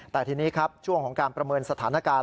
แต่ทีนี้ครับช่วงของการประเมินสถานการณ์